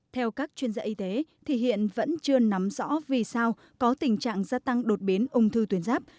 theo các chuyên gia y tế thì hiện vẫn chưa nắm rõ vì sao có tình trạng gia tăng đột biến ung thư tuyến giáp